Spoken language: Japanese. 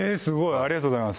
ありがとうございます。